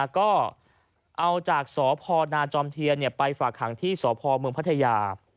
ก็เอาจากสพนาจอมเทียนไปฝากหางที่สพเมืองพัทยา